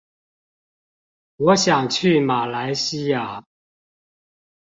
我想去馬來西亞